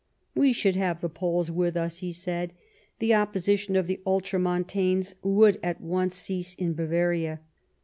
"We should have the Poles with us," he said; "the opposition of the Ultramontanes would at once cease in Bavaria.